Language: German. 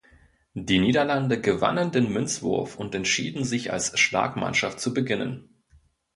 Die Niederlande gewannen den Münzwurf und entschieden sich als Schlagmannschaft zu beginnen.